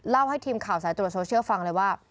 ให้ทีมข่าวสายตรวจโซเชียลฟังเลยว่า